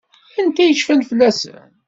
Anta i yecfan fell-asen?